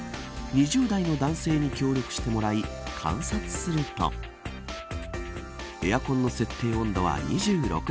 ２０代の男性に協力してもらい観察するとエアコンの設定温度は２６度。